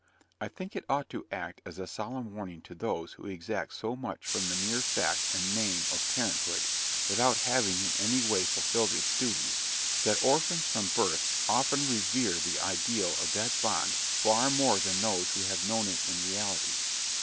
I think it ought to act as a solemn warning to those who exact so much from the mere fact and name of parenthood, without having in any way fulfilled its duties, that orphans from birth often revere the ideal of that bond far more than those who have known it in reality.